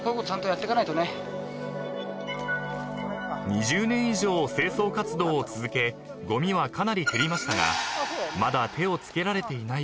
［２０年以上清掃活動を続けごみはかなり減りましたがまだ手を付けられていない場所も］